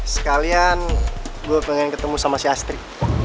sekalian gue pengen ketemu sama si astri